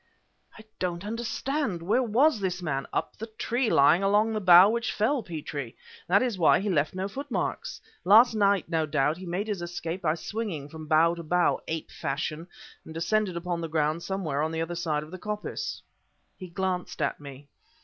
"I don't understand. Where was this man " "Up the tree, lying along the bough which fell, Petrie! That is why he left no footmarks. Last night no doubt he made his escape by swinging from bough to bough, ape fashion, and descending to the ground somewhere at the other side of the coppice." He glanced at me.